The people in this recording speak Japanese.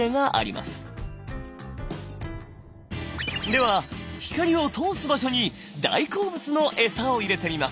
では光を通す場所に大好物のエサを入れてみます。